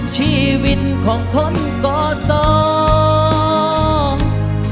ชีวิตของคนก่อสอง